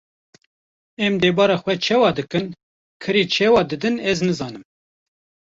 Em debara xwe çawa dikin, kirê çawa didin ez nizanim.